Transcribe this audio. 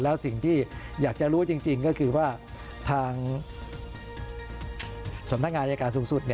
แล้วสิ่งที่อยากจะรู้จริงก็คือว่าทางสำนักงานอายการสูงสุด